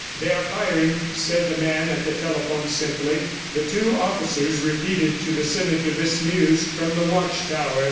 "They are firing," said the man at the telephone simply. The two officers repeated to the senator this news from the watch tower.